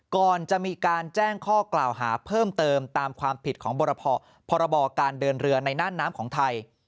ก่อนจะมีการแจ้งข้อกล่าวหาเพิ่มเติมตามความผิดของพรบการเดินเรือในน่านน้ำของไทย